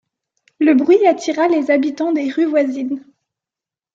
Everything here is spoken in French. Le bruit attira les habitants des rues voisines.